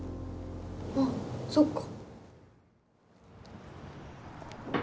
あっそっか。